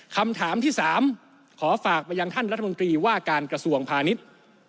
คำถามที่๓ขอฝากไปยังท่านรัฐมนตรีว่าการกระทรวงพาณิชย์